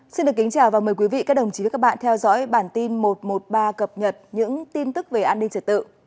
xin được kính chào và mời quý vị các đồng chí và các bạn theo dõi bản tin một trăm một mươi ba cập nhật những tin tức về an ninh trật tự